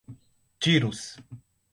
Tiros